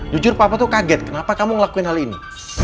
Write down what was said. jujur papa tuh kaget kenapa kamu ngelakuin hal ini